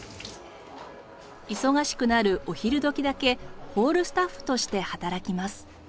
忙しくなるお昼時だけホールスタッフとして働きます。